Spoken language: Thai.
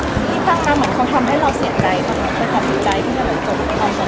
นี่ทางการเหมาะเขาทำให้เราเสียใจของเขาหรือทำให้ใจของเขาเหมาะกัน